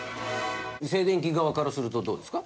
静電気側からするとどうですか？